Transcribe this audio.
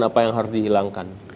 apa yang harus dihilangkan